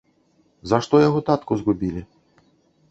За што яго татку згубілі?